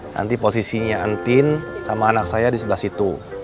nanti posisinya entin sama anak saya di sebelah situ